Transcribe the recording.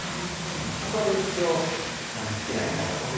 そこで一応好きな絵描いてるんで。